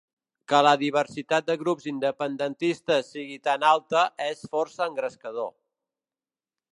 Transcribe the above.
Que la diversitat de grups independentistes sigui tan alta és força engrescador.